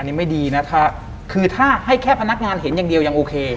นี่ไม่ดีนะถ้าคือถ้าให้แค่พนักงานเห็นอย่างเดียวยังโอเค